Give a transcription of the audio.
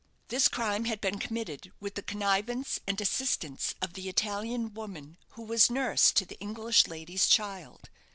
This crime had been committed with the connivance and assistance of the Italian woman who was nurse to the English lady's child.